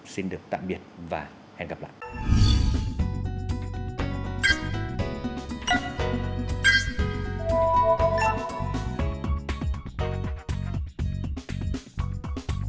xin được tạm biệt và hẹn gặp lại